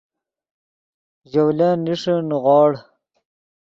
ژولن نیݰے نیغوڑ